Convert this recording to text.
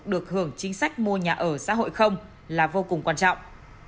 được hưởng chính sách mua nhà ở xã hội không là vô cùng quan trọng